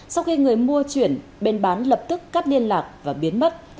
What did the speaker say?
sau khi người mua chuyển bên bán lập tức cắt liên lạc và biến mất